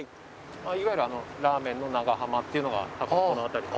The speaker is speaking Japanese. いわゆるラーメンの長浜っていうのが多分この辺り。